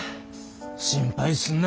心配すんな。